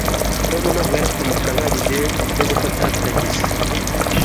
tom ntabwo yari afite amafaranga ahagije yo gufata tagisi